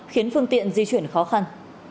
khiến phương tiện di chuyển khó khăn